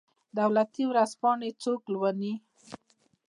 دولتي ورځپاڼې څوک لوالي؟